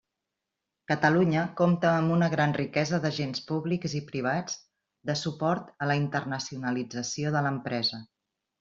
Catalunya compta amb una gran riquesa d'agents públics i privats de suport a la internacionalització de l'empresa.